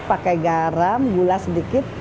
pakai garam gula sedikit